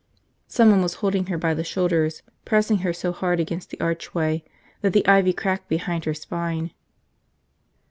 ... Someone was holding her by the shoulders, pressing her so hard against the archway that the ivy cracked behind her spine.